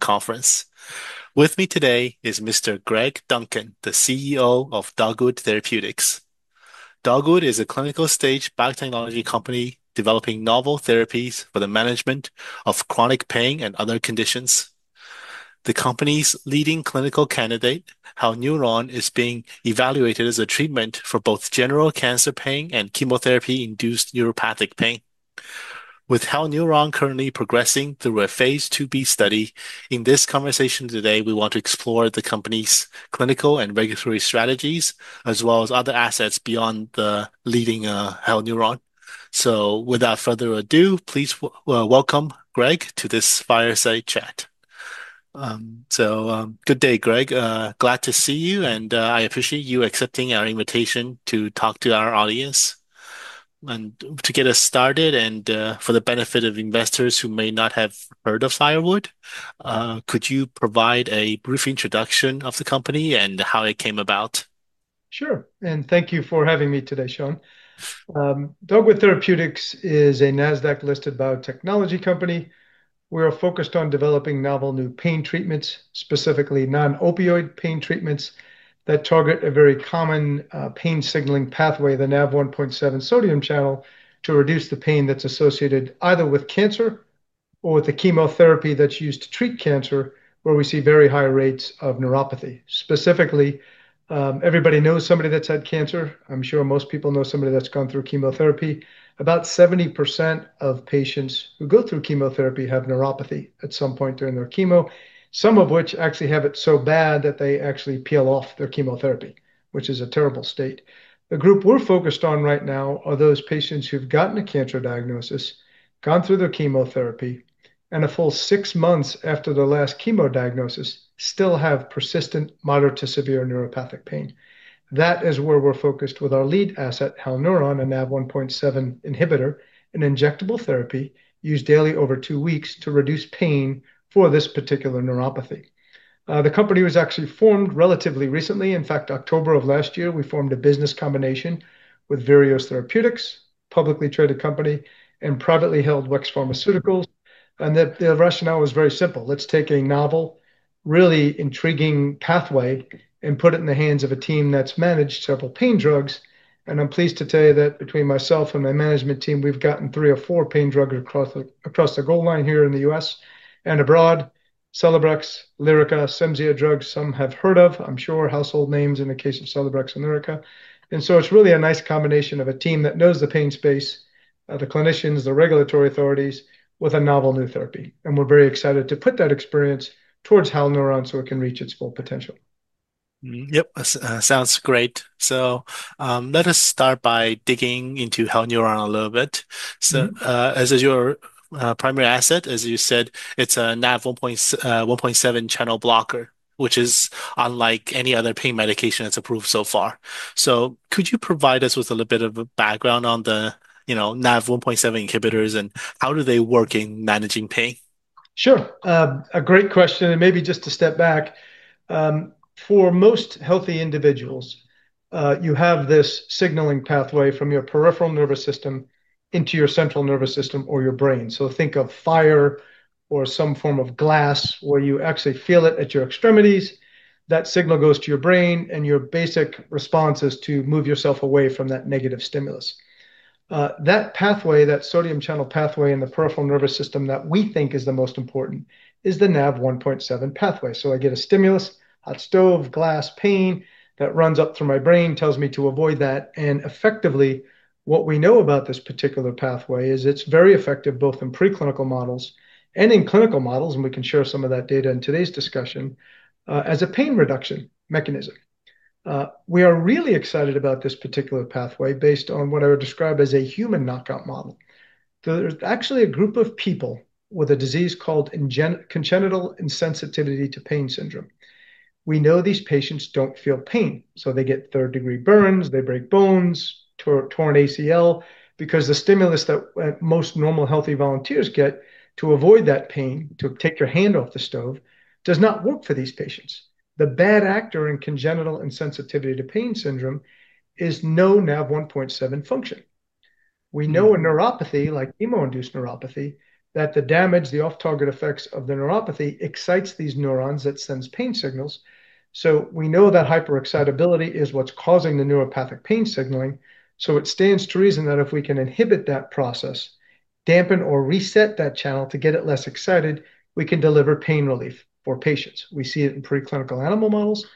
Conference. With me today is Mr. Greg Duncan, the CEO of Dogwood Therapeutics. Dogwood is a clinical-stage biotechnology company developing novel therapies for the management of chronic pain and other conditions. The company's leading clinical candidate, Halneuron, is being evaluated as a treatment for both general cancer pain and chemotherapy-induced neuropathic pain. With Halneuron currently progressing through a phase II-B study, in this conversation today, we want to explore the company's clinical and regulatory strategies, as well as other assets beyond the leading Halneuron. Please welcome Greg to this Fireside Chat. Good day, Greg. Glad to see you, and I appreciate you accepting our invitation to talk to our audience. To get us started, and for the benefit of investors who may not have heard of Dogwood, could you provide a brief introduction of the company and how it came about? Sure, and thank you for having me today, Sean. Dogwood Therapeutics is a NASDAQ-listed biotechnology company. We are focused on developing novel new pain treatments, specifically non-opioid pain treatments that target a very common pain signaling pathway, the Nav1.7 sodium channel, to reduce the pain that's associated either with cancer or with the chemotherapy that's used to treat cancer, where we see very high rates of neuropathy. Specifically, everybody knows somebody that's had cancer. I'm sure most people know somebody that's gone through chemotherapy. About 70% of patients who go through chemotherapy have neuropathy at some point during their chemo, some of which actually have it so bad that they actually peel off their chemotherapy, which is a terrible state. The group we're focused on right now are those patients who've gotten a cancer diagnosis, gone through their chemotherapy, and a full six months after the last chemo diagnosis still have persistent moderate to severe neuropathic pain. That is where we're focused with our lead asset, Halneuron, a Nav1.7 inhibitor, an injectable therapy used daily over two weeks to reduce pain for this particular neuropathy. The company was actually formed relatively recently. In fact, October of last year, we formed a business combination with Virios Therapeutics, a publicly traded company, and privately held WEX Pharmaceuticals. The rationale was very simple. Let's take a novel, really intriguing pathway and put it in the hands of a team that's managed several pain drugs. I'm pleased to tell you that between myself and my management team, we've gotten three or four pain drugs across the goal line here in the U.S. and abroad: Celebrex, Lyrica, and Cimzia, drugs some have heard of. I'm sure household names in the case of Celebrex and Lyrica. It's really a nice combination of a team that knows the pain space, the clinicians, the regulatory authorities, with a novel new therapy. We're very excited to put that experience towards Halneuron so it can reach its full potential. Yep, sounds great. Let us start by digging into Halneuron a little bit. As your primary asset, as you said, it's a Nav1.7 channel blocker, which is unlike any other pain medication that's approved so far. Could you provide us with a little bit of a background on the Nav1.7 inhibitors and how do they work in managing pain? Sure, a great question. Maybe just to step back, for most healthy individuals, you have this signaling pathway from your peripheral nervous system into your central nervous system or your brain. Think of fire or some form of glass where you actually feel it at your extremities. That signal goes to your brain, and your basic response is to move yourself away from that negative stimulus. That pathway, that sodium channel pathway in the peripheral nervous system that we think is the most important, is the Nav1.7 pathway. I get a stimulus, hot stove, glass, pain that runs up through my brain, tells me to avoid that. What we know about this particular pathway is it's very effective both in preclinical models and in clinical models, and we can share some of that data in today's discussion, as a pain reduction mechanism. We are really excited about this particular pathway based on what I would describe as a human knockout model. There's actually a group of people with a disease called congenital insensitivity to pain syndrome. We know these patients don't feel pain. They get third-degree burns, they break bones, torn ACL, because the stimulus that most normal healthy volunteers get to avoid that pain, to take your hand off the stove, does not work for these patients. The bad actor in congenital insensitivity to pain syndrome is no Nav1.7 function. We know a neuropathy, like chemo-induced neuropathic pain, that the damage, the off-target effects of the neuropathy excite these neurons that send pain signals. We know that hyperexcitability is what's causing the neuropathic pain signaling. It stands to reason that if we can inhibit that process, dampen or reset that channel to get it less excited, we can deliver pain relief for patients. We see it in preclinical animal models.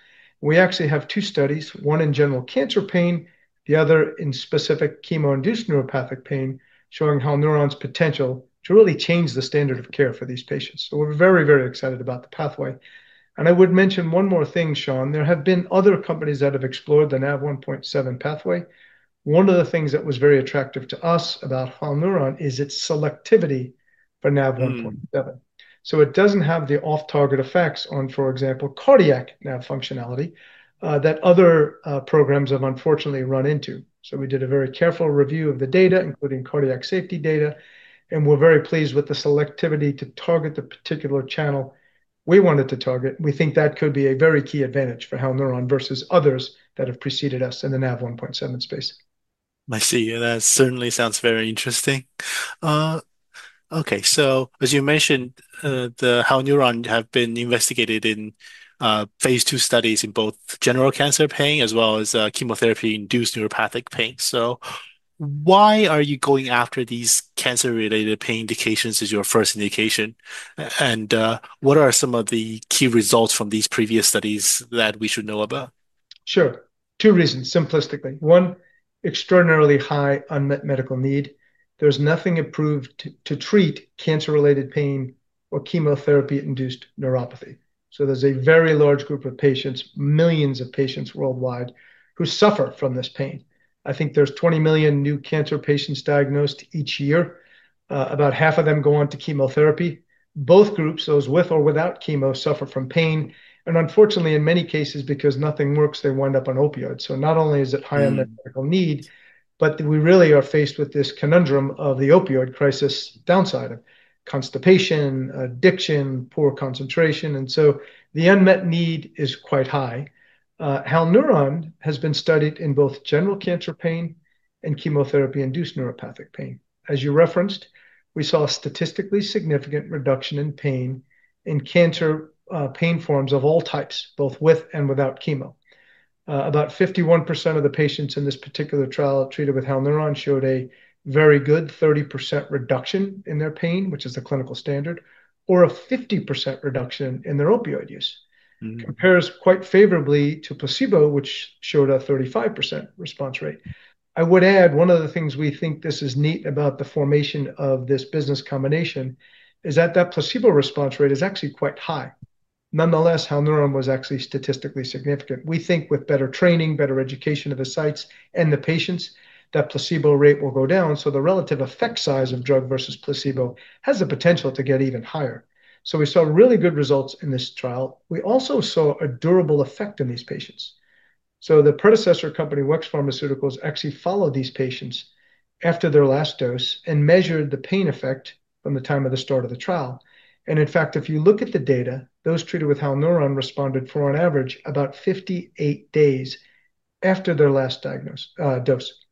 We actually have two studies, one in general cancer pain, the other in specific chemotherapy-induced neuropathic pain, showing Halneuron's potential to really change the standard of care for these patients. We are very, very excited about the pathway. I would mention one more thing, Sean. There have been other companies that have explored the Nav1.7 pathway. One of the things that was very attractive to us about Halneuron is its selectivity for Nav1.7. It doesn't have the off-target effects on, for example, cardiac NAV functionality that other programs have unfortunately run into. We did a very careful review of the data, including cardiac safety data, and we're very pleased with the selectivity to target the particular channel we wanted to target. We think that could be a very key advantage for Halneuron® versus others that have preceded us in the NAV1.7 space. I see, and that certainly sounds very interesting. Okay, as you mentioned, Halneuron has been investigated in phase II studies in both general cancer pain as well as chemotherapy-induced neuropathic pain. Why are you going after these cancer-related pain indications as your first indication? What are some of the key results from these previous studies that we should know about? Sure, two reasons, simplistically. One, extraordinarily high unmet medical need. There's nothing approved to treat cancer-related pain or chemotherapy-induced neuropathy. There's a very large group of patients, millions of patients worldwide, who suffer from this pain. I think there's 20 million new cancer patients diagnosed each year. About half of them go on to chemotherapy. Both groups, those with or without chemo, suffer from pain. Unfortunately, in many cases, because nothing works, they wind up on opioids. Not only is it high unmet medical need, but we really are faced with this conundrum of the opioid crisis, downside of constipation, addiction, poor concentration. The unmet need is quite high. Halneuron has been studied in both general cancer pain and chemotherapy-induced neuropathic pain. As you referenced, we saw a statistically significant reduction in pain in cancer pain forms of all types, both with and without chemo. About 51% of the patients in this particular trial treated with Halneuron showed a very good 30% reduction in their pain, which is the clinical standard, or a 50% reduction in their opioid use. It pairs quite favorably to placebo, which showed a 35% response rate. I would add one of the things we think is neat about the formation of this business combination is that that placebo response rate is actually quite high. Nonetheless, Halneuron was actually statistically significant. We think with better training, better education of the sites, and the patients, that placebo rate will go down. The relative effect size of drug versus placebo has the potential to get even higher. We saw really good results in this trial. We also saw a durable effect in these patients. The predecessor company, WEX Pharmaceuticals, actually followed these patients after their last dose and measured the pain effect from the time of the start of the trial. In fact, if you look at the data, those treated with Halneuron responded for on average about 58 days after their last dose.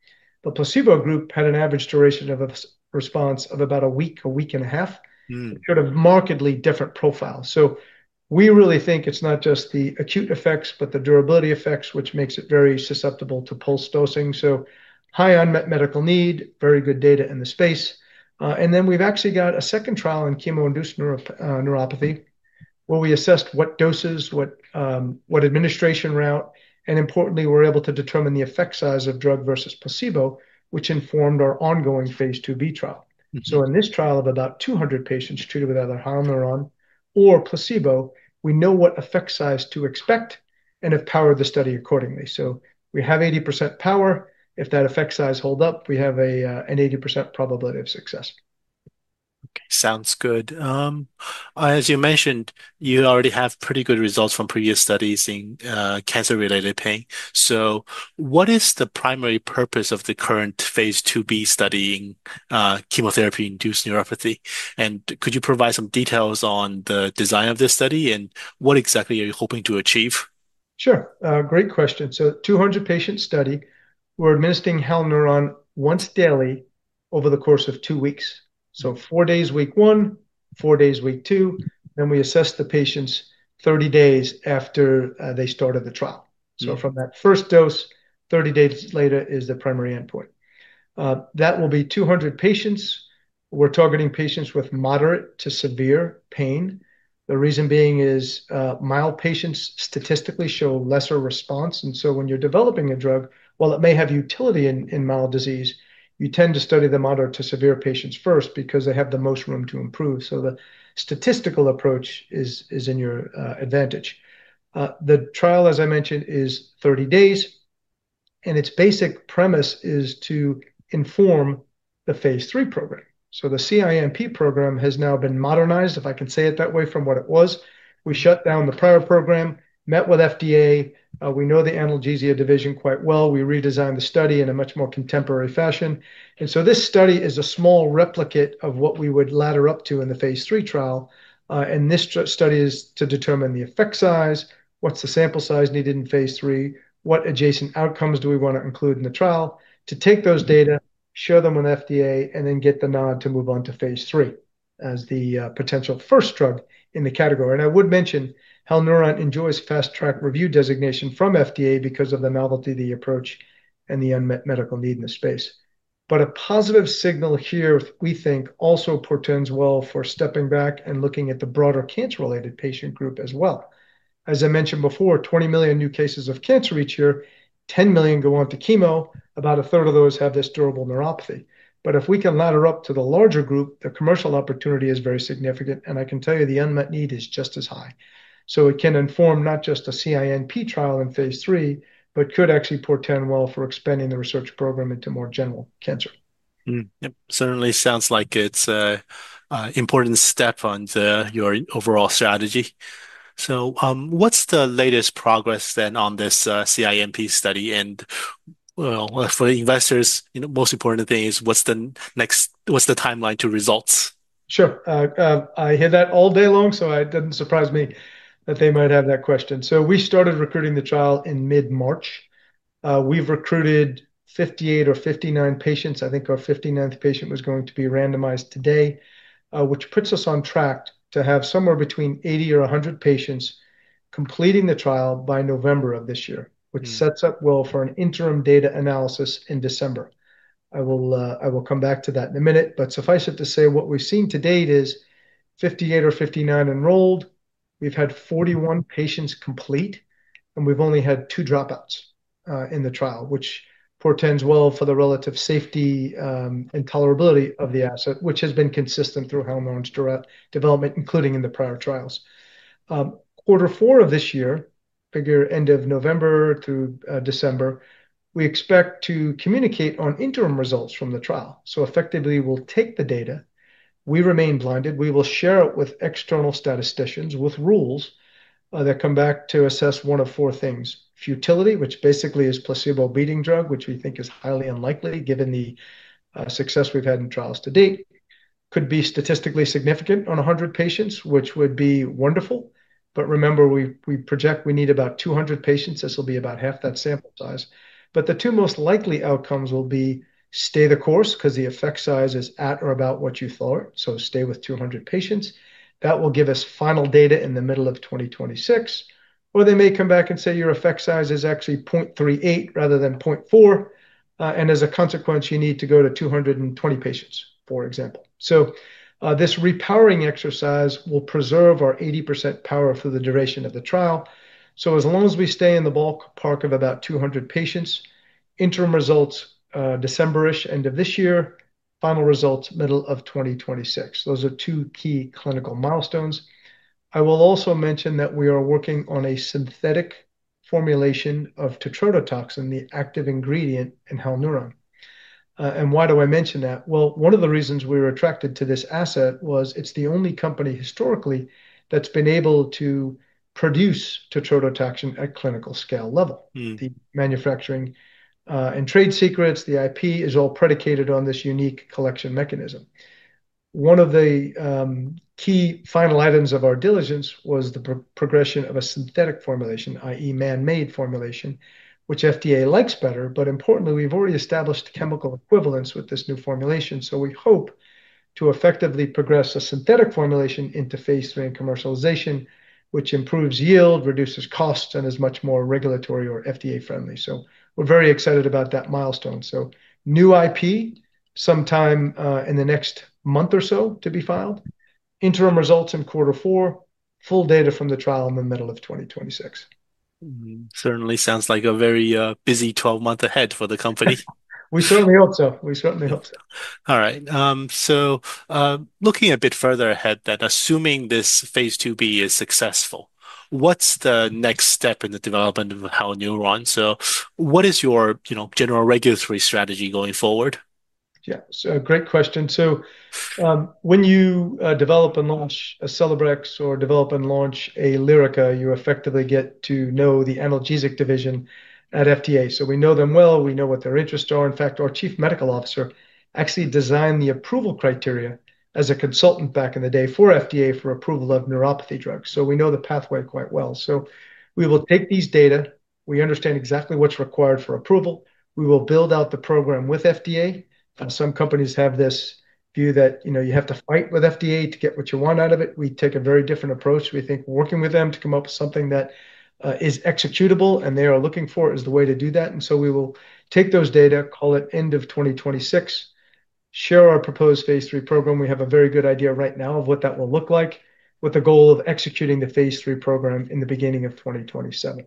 The placebo group had an average duration of response of about a week, a week and a half, sort of markedly different profiles. We really think it's not just the acute effects, but the durability effects, which makes it very susceptible to pulse dosing. High unmet medical need, very good data in the space. We've actually got a second trial in chemotherapy-induced neuropathy where we assessed what doses, what administration route, and importantly, we're able to determine the effect size of drug versus placebo, which informed our ongoing phase II-B trial. In this trial of about 200 patients treated with either Halneuron or placebo, we know what effect size to expect and have powered the study accordingly. We have 80% power. If that effect size holds up, we have an 80% probability of success. Sounds good. As you mentioned, you already have pretty good results from previous studies in cancer-related pain. What is the primary purpose of the current phase II-B study in chemotherapy-induced neuropathy? Could you provide some details on the design of this study and what exactly are you hoping to achieve? Sure, great question. 200-patient study. We're administering Halneuron once daily over the course of two weeks: four days week one, four days week two, and we assess the patients 30 days after they started the trial. From that first dose, 30 days later is the primary endpoint. That will be 200 patients. We're targeting patients with moderate to severe pain. The reason being is mild patients statistically show lesser response. When you're developing a drug, while it may have utility in mild disease, you tend to study the moderate to severe patients first because they have the most room to improve. The statistical approach is in your advantage. The trial, as I mentioned, is 30 days, and its basic premise is to inform the phase III program. The CIMP program has now been modernized, if I can say it that way, from what it was. We shut down the prior program, met with FDA. We know the analgesia division quite well. We redesigned the study in a much more contemporary fashion. This study is a small replicate of what we would ladder up to in the phase III trial. This study is to determine the effect size, what's the sample size needed in phase III, what adjacent outcomes do we want to include in the trial, to take those data, show them on FDA, and then get the nod to move on to phase III as the potential first drug in the category. I would mention Halneuron enjoys fast-track review designation from FDA because of the novelty, the approach, and the unmet medical need in this space. A positive signal here, we think, also portends well for stepping back and looking at the broader cancer-related patient group as well. As I mentioned before, 20 million new cases of cancer each year, 10 million go on to chemo. About a third of those have this durable neuropathy. If we can ladder up to the larger group, the commercial opportunity is very significant. I can tell you the unmet need is just as high. It can inform not just a CIMP trial in phase III, but could actually portend well for expanding the research program into more general cancer. Yep, certainly sounds like it's an important step on your overall strategy. What's the latest progress then on this CIMP study? For investors, the most important thing is what's the next, what's the timeline to results? Sure. I hear that all day long, so it doesn't surprise me that they might have that question. We started recruiting the trial in mid-March. We've recruited 58 or 59 patients. I think our 59th patient was going to be randomized today, which puts us on track to have somewhere between 80 or 100 patients completing the trial by November of this year, which sets up well for an interim data analysis in December. I will come back to that in a minute. Suffice it to say, what we've seen to date is 58 or 59 enrolled. We've had 41 patients complete, and we've only had two dropouts in the trial, which portends well for the relative safety and tolerability of the asset, which has been consistent through Halneuron's development, including in the prior trials. Quarter four of this year, figure end of November to December, we expect to communicate on interim results from the trial. Effectively, we'll take the data. We remain blinded. We will share it with external statisticians with rules that come back to assess one of four things: futility, which basically is a placebo-beating drug, which we think is highly unlikely given the success we've had in trials to date. It could be statistically significant on 100 patients, which would be wonderful. Remember, we project we need about 200 patients. This will be about half that sample size. The two most likely outcomes will be stay the course because the effect size is at or about what you thought, so stay with 200 patients. That will give us final data in the middle of 2026, or they may come back and say your effect size is actually 0.38 rather than 0.4, and as a consequence, you need to go to 220 patients, for example. This repowering exercise will preserve our 80% power for the duration of the trial. As long as we stay in the ballpark of about 200 patients, interim results December-ish, end of this year, final results middle of 2026. Those are two key clinical milestones. I will also mention that we are working on a synthetic formulation of tetrodotoxin, the active ingredient in Halneuron. One of the reasons we were attracted to this asset was it's the only company historically that's been able to produce tetrodotoxin at a clinical scale level. The manufacturing and trade secrets, the IP is all predicated on this unique collection mechanism. One of the key final items of our diligence was the progression of a synthetic formulation, i.e., man-made formulation, which the FDA likes better. Importantly, we've already established chemical equivalence with this new formulation. We hope to effectively progress a synthetic formulation into phase III and commercialization, which improves yield, reduces costs, and is much more regulatory or FDA-friendly. We're very excited about that milestone. New IP sometime in the next month or so to be filed. Interim results in quarter four. Full data from the trial in the middle of 2026. Certainly sounds like a very busy 12 months ahead for the company. We certainly hope so. All right. Looking a bit further ahead, assuming this phase II-B is successful, what's the next step in the development of Halneuron? What is your general regulatory strategy going forward? Yeah, great question. When you develop and launch a Celebrex or develop and launch a Lyrica, you effectively get to know the analgesic division at the FDA. We know them well. We know what their interests are. In fact, our Chief Medical Officer actually designed the approval criteria as a consultant back in the day for the FDA for approval of neuropathy drugs. We know the pathway quite well. We will take these data. We understand exactly what's required for approval. We will build out the program with the FDA. Some companies have this view that you have to fight with the FDA to get what you want out of it. We take a very different approach. We think working with them to come up with something that is executable and they are looking for is the way to do that. We will take those data, call it end of 2026, share our proposed phase III program. We have a very good idea right now of what that will look like with the goal of executing the phase III program in the beginning of 2027.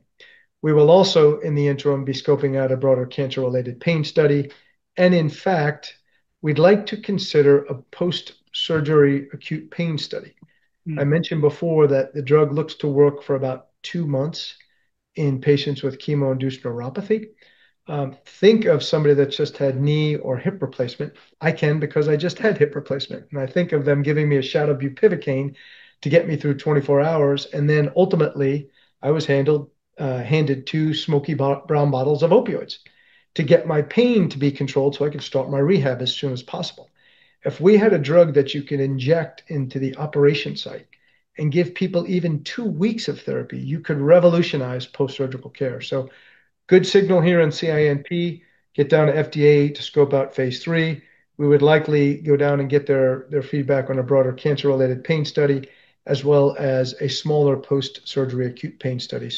We will also, in the interim, be scoping out a broader cancer-related pain study. In fact, we'd like to consider a post-surgery acute pain study. I mentioned before that the drug looks to work for about two months in patients with chemo-induced neuropathy. Think of somebody that's just had knee or hip replacement. I can because I just had hip replacement. I think of them giving me a shot of bupivacaine to get me through 24 hours. Ultimately, I was handed two smoky brown bottles of opioids to get my pain to be controlled so I could start my rehab as soon as possible. If we had a drug that you could inject into the operation site and give people even two weeks of therapy, you could revolutionize post-surgical care. Good signal here on CIMP. Get down to the FDA to scope out phase III. We would likely go down and get their feedback on a broader cancer-related pain study, as well as a smaller post-surgery acute pain study.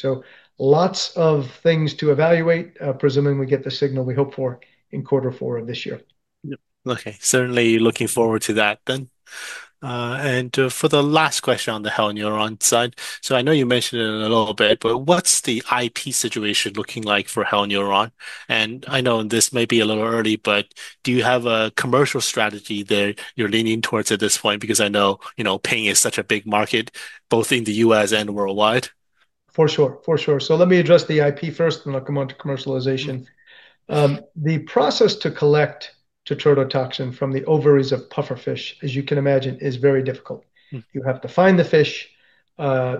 Lots of things to evaluate, presuming we get the signal we hope for in quarter four of this year. Yep, okay. Certainly looking forward to that. For the last question on the Halneuron side, I know you mentioned it a little bit, but what's the IP situation looking like for Halneuron? I know this may be a little early, but do you have a commercial strategy that you're leaning towards at this point? I know pain is such a big market, both in the U.S. and worldwide. For sure, for sure. Let me address the IP first and I'll come on to commercialization. The process to collect tetrodotoxin from the ovaries of pufferfish, as you can imagine, is very difficult. You have to find the fish.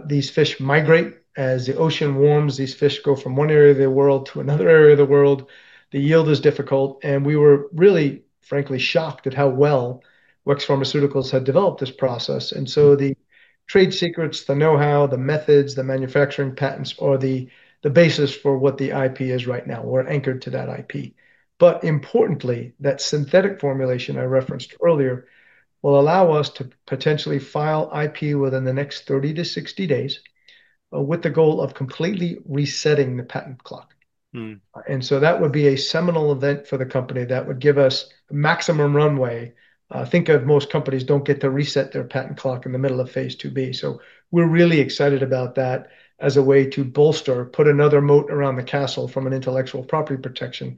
These fish migrate. As the ocean warms, these fish go from one area of the world to another area of the world. The yield is difficult. We were really, frankly, shocked at how well WEX Pharmaceuticals had developed this process. The trade secrets, the know-how, the methods, the manufacturing patents are the basis for what the IP is right now. We're anchored to that IP. Importantly, that synthetic formulation I referenced earlier will allow us to potentially file IP within the next 30-60 days with the goal of completely resetting the patent clock. That would be a seminal event for the company. That would give us maximum runway. Think of most companies don't get to reset their patent clock in the middle of phase II-B. We're really excited about that as a way to bolster, put another moat around the castle from an intellectual property protection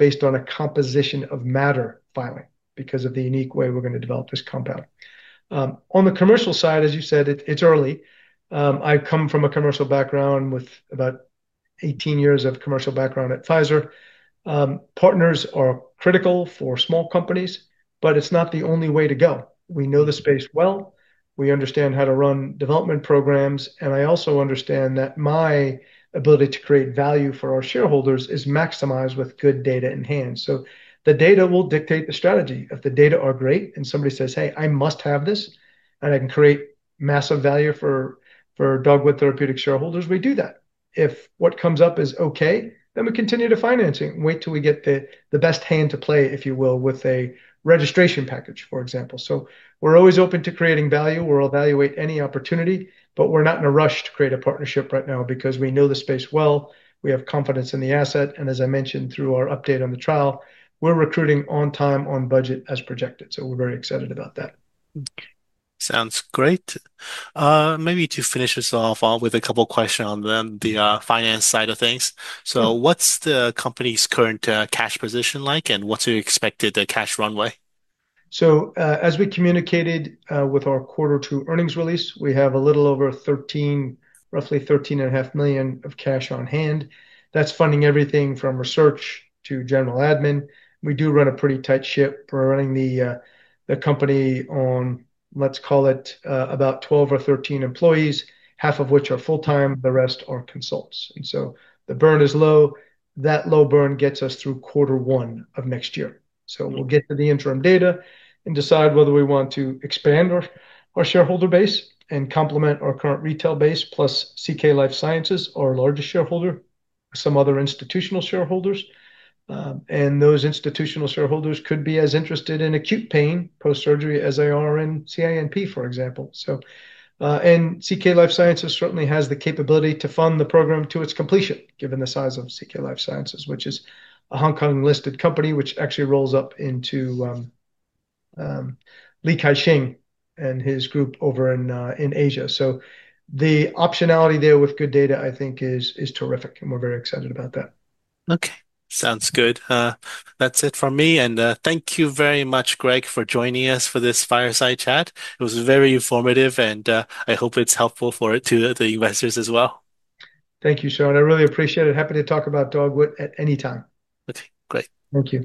based on a composition-of-matter filing because of the unique way we're going to develop this compound. On the commercial side, as you said, it's early. I've come from a commercial background with about 18 years of commercial background at Pfizer. Partners are critical for small companies, but it's not the only way to go. We know the space well. We understand how to run development programs. I also understand that my ability to create value for our shareholders is maximized with good data in hand. The data will dictate the strategy. If the data are great and somebody says, "Hey, I must have this and I can create massive value for Dogwood Therapeutics shareholders," we do that. If what comes up is okay, then we continue to finance it and wait till we get the best hand to play, if you will, with a registration package, for example. We're always open to creating value. We'll evaluate any opportunity, but we're not in a rush to create a partnership right now because we know the space well. We have confidence in the asset. As I mentioned through our update on the trial, we're recruiting on time, on budget, as projected. We're very excited about that. Sounds great. Maybe to finish this off with a couple of questions on the finance side of things. What's the company's current cash position like, and what's your expected cash runway? As we communicated with our Q2 earnings release, we have a little over $13 million, roughly $13.5 million of cash on hand. That's funding everything from research to general admin. We do run a pretty tight ship. We're running the company on, let's call it, about 12 or 13 employees, half of which are full-time, the rest are consultants, and so the burn is low. That low burn gets us through Q1 of next year. We'll get to the interim data and decide whether we want to expand our shareholder base and complement our current retail base, plus CK Life Sciences, our largest shareholder, and some other institutional shareholders. Those institutional shareholders could be as interested in acute pain post-surgery as they are in CIMP, for example. CK Life Sciences certainly has the capability to fund the program to its completion, given the size of CK Life Sciences, which is a Hong Kong-listed company, which actually rolls up into Li Ka-Shing and his group over in Asia. The optionality there with good data, I think, is terrific. We're very excited about that. Okay, sounds good. That's it for me. Thank you very much, Greg, for joining us for this Fireside Chat. It was very informative, and I hope it's helpful for the investors as well. Thank you, Sean. I really appreciate it. Happy to talk about Dogwood Therapeutics at any time. Great. Thank you.